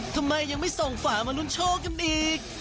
ทำไมยังไม่ส่งฝามาลุ้นโชคกันอีก